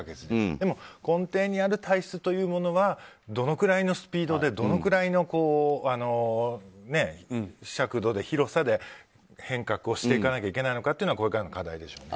でも、根底にある体質というのはどのくらいのスピードでどのくらいの尺度で、広さで変革をしていかなきゃいけないのかはこれからの課題でしょうね。